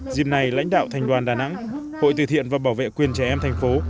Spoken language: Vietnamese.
dìm này lãnh đạo thành đoàn đà nẵng hội tự thiện và bảo vệ quyền trẻ em thành phố